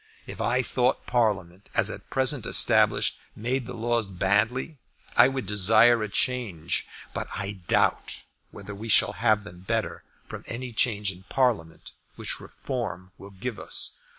If I thought that Parliament as at present established made the laws badly, I would desire a change; but I doubt whether we shall have them better from any change in Parliament which Reform will give us."